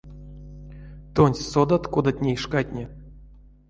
Тонсь содат, кодат ней шкатне.